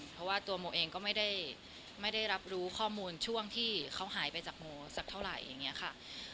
เพราะว่าตัวโมเองก็ไม่ได้รับรู้ข้อมูลช่วงที่เขาหายไปจากโมสักเท่าไหร่อย่างนี้ค่ะ